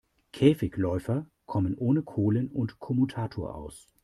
Käfigläufer kommen ohne Kohlen und Kommutator aus.